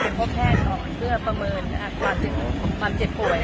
เป็นพ่อแทนเพื่อประเมินอ่ะกว่าความเจ็บกว่าเจ็บป่วย